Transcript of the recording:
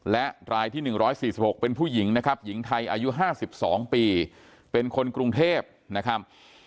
และรายที่๑๔๖เป็นผู้หญิงนะครับหญิงไทยอายุ๕๒ปีเป็นคนกรุงเทพนะครับ